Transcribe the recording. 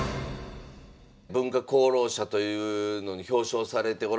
文化功労者というのに表彰されておられました。